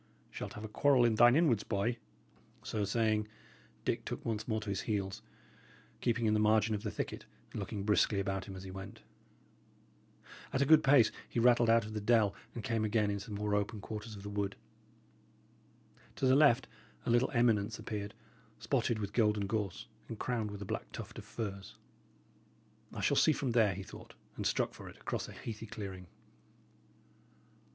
Shalt have a quarrel in thine inwards, boy." So saying, Dick took once more to his heels, keeping in the margin of the thicket and looking briskly about him as he went. At a good pace he rattled out of the dell, and came again into the more open quarters of the wood. To the left a little eminence appeared, spotted with golden gorse, and crowned with a black tuft of firs. "I shall see from there," he thought, and struck for it across a heathy clearing.